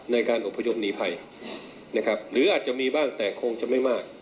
ในการอบพยพหนีภัยนะครับหรืออาจจะมีบ้างแต่คงจะไม่มาก